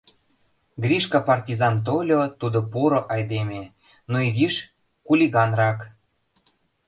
Гришка-партизан тольо, тудо поро айдеме, но изиш кулиганрак.